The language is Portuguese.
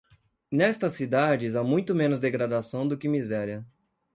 Nestas cidades, há muito menos degradação do que miséria.